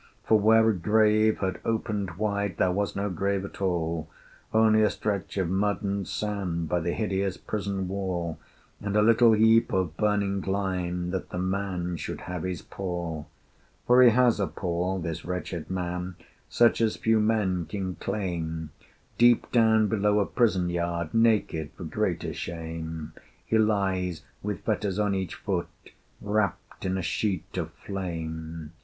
For where a grave had opened wide, There was no grave at all: Only a stretch of mud and sand By the hideous prison wall, And a little heap of burning lime, That the man should have his pall. For he has a pall, this wretched man, Such as few men can claim: Deep down below a prison yard, Naked for greater shame, He lies, with fetters on each foot, Wrapt in a sheet of flame!